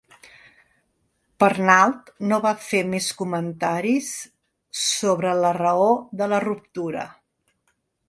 Pernald no va fer més comentaris sobre la raó de la ruptura.